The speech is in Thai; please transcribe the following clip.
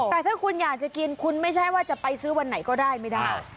แต่ถ้าคุณอยากจะกินคุณไม่ใช่ว่าจะไปซื้อวันไหนก็ได้ไม่ได้